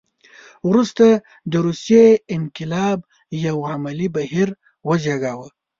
وروسته د روسیې انقلاب یو عملي بهیر وزېږاوه.